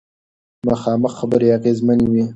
مخامخ خبرې اغیزمنې وي.